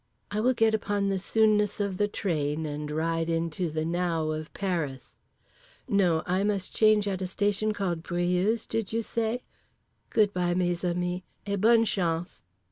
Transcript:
I will get upon the soonness of the train and ride into the now of Paris. No, I must change at a station called Briouse did you say, Good bye, _mes amis, et bonne chance!